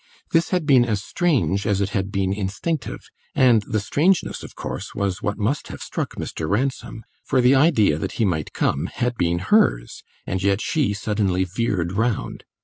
This had been as strange as it had been instinctive, and the strangeness, of course, was what must have struck Mr. Ransom; for the idea that he might come had been hers, and yet she suddenly veered round.